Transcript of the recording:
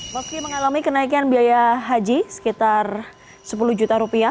meski mengalami kenaikan biaya haji sekitar rp sepuluh juta